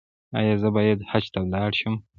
ایا زه باید حج ته لاړ شم؟